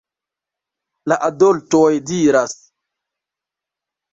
La adoltoj diras: